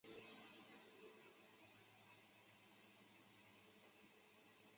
他的政治教父是后来的德国共产党国会议员。